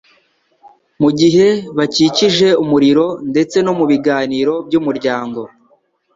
Mu gihe bakikije umuriro ndetse no mu biganiro by'umuryango